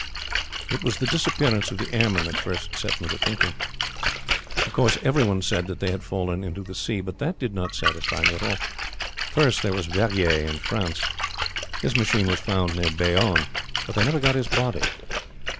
"It was the disappearance of the airmen that first set me thinking. Of course, everyone said that they had fallen into the sea, but that did not satisfy me at all. First, there was Verrier in France; his machine was found near Bayonne, but they never got his body.